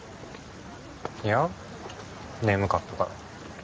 いや眠かったから。